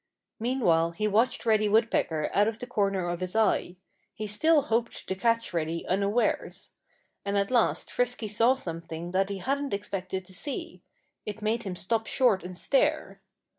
Meanwhile he watched Reddy Woodpecker out of the corner of his eye. He still hoped to catch Reddy unawares. And at last Frisky saw something that he hadn't expected to see. It made him stop short and stare.